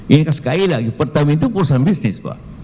ya sekali lagi pertamina itu perusahaan bisnis pak